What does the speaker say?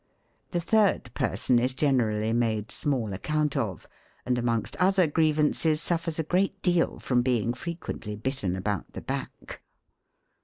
The third person is generally made small account of; and, amongst other grievances, suffers a great deal from being frequently bitten about the back.